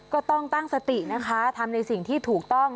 ก็ต้องตั้งสตินะคะทำในสิ่งที่ถูกต้อง